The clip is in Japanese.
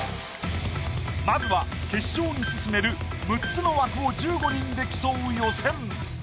まずは決勝に進める６つの枠を１５人で競う予選。